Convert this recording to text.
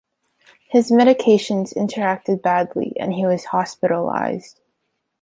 His medications interacted badly and he was hospitalized.